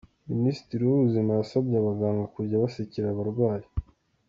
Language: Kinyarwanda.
Minisitiri w’Ubuzima yasabye abaganga kujya basekera abarwayi